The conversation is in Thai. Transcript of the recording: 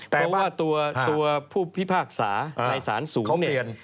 เพราะว่าตัวผู้พิพากษาในศาลสูง